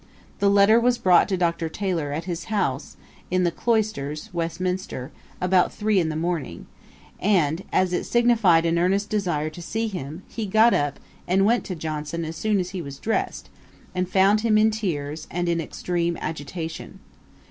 The letter was brought to Dr. Taylor, at his house in the Cloisters, Westminster, about three in the morning; and as it signified an earnest desire to see him, he got up, and went to Johnson as soon as he was dressed, and found him in tears and in extreme agitation.